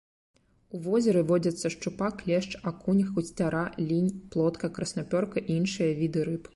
У возеры водзяцца шчупак, лешч, акунь, гусцяра, лінь, плотка, краснапёрка і іншыя віды рыб.